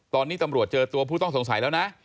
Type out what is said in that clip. ตอนนี้ตำรวจเจอตัวผู้ต้องสงสัยแล้วนะ